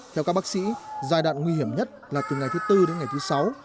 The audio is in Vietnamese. theo các bác sĩ giai đoạn nguy hiểm nhất là từ ngày thứ tư đến ngày thứ sáu